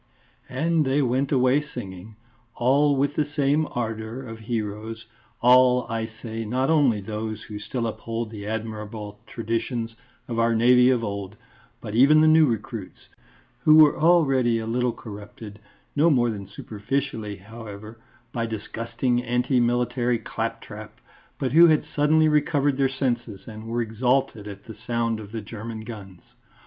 And they went away singing, all with the same ardour of heroes; all, I say, not only those who still uphold the admirable traditions of our Navy of old, but even the new recruits, who were already a little corrupted no more than superficially, however by disgusting, anti military claptrap, but who had suddenly recovered their senses and were exalted at the sound of the German guns.